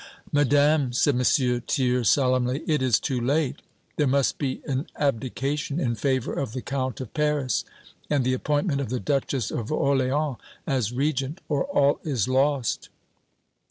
"Madame," said M. Thiers, solemnly, "it is too late! There must be an abdication in favor of the Count of Paris, and the appointment of the Duchess of Orléans as Regent, or all is lost!"